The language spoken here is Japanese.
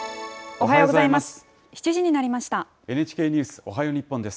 おはようございます。